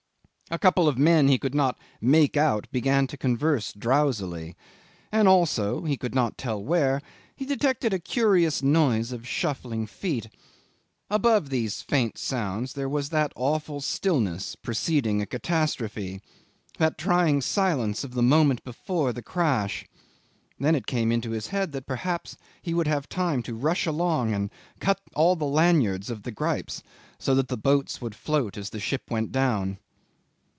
A couple of men he could not make out began to converse drowsily, and also, he could not tell where, he detected a curious noise of shuffling feet. Above these faint sounds there was that awful stillness preceding a catastrophe, that trying silence of the moment before the crash; then it came into his head that perhaps he would have time to rush along and cut all the lanyards of the gripes, so that the boats would float as the ship went down.